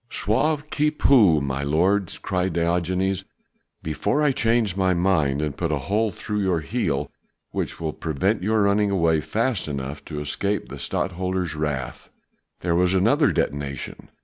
"Sauve qui peut, my lord!" cried Diogenes, "before I change my mind and put a hole through your heel, which will prevent your running away fast enough to escape the Stadtholder's wrath." There was another detonation.